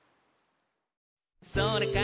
「それから」